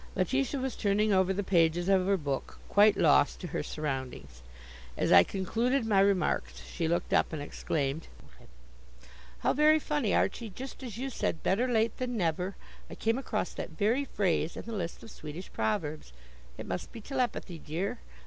Letitia was turning over the pages of her book, quite lost to her surroundings. As I concluded my remarks she looked up and exclaimed, "How very funny, Archie. Just as you said 'Better late than never,' I came across that very phrase in the list of Swedish proverbs. It must be telepathy, dear.